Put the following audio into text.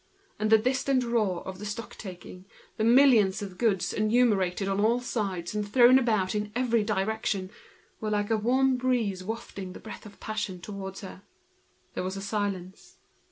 And the distant roar of the stock taking, the millions of goods called out on all sides, thrown about in every direction, were like a warm wind, carrying the breath of passion straight towards her. There was a silence.